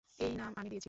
এই নাম আমি দিয়েছি।